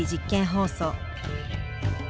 放送